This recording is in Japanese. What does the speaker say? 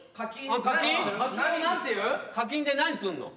課金で何すんの？